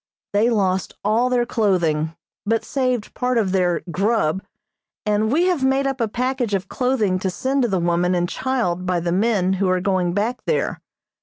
They lost all their clothing, but saved part of their "grub," and we have made up a package of clothing to send to the woman and child by the men who are going back there.